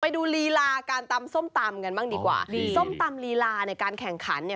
ไปดูลีลาการตำส้มตำกันบ้างดีกว่าส้มตำลีลาในการแข่งขันเนี่ย